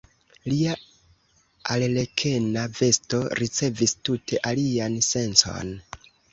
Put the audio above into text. Lia arlekena vesto ricevis tute alian sencon.